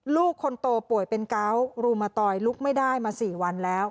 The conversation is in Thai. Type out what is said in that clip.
ลูกคนโตป่วยเป็นเกาะรูมาตอยลุกไม่ได้มา๔วันแล้ว